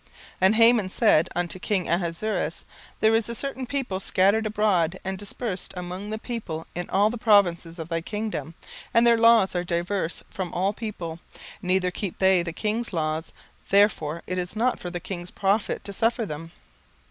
17:003:008 And Haman said unto king Ahasuerus, There is a certain people scattered abroad and dispersed among the people in all the provinces of thy kingdom; and their laws are diverse from all people; neither keep they the king's laws: therefore it is not for the king's profit to suffer them.